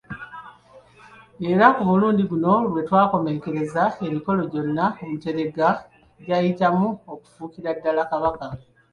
Era ku mulundi guno lwe yakomekkereza emikolo gyonna Omuteregga gy'ayitamu okufuukira ddala Kabaka.